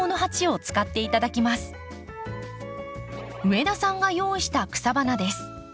上田さんが用意した草花です。